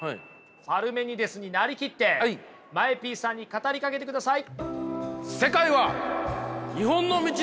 パルメニデスに成りきってＭＡＥＰさんに語りかけてください。